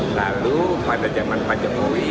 lalu pada zaman pak jokowi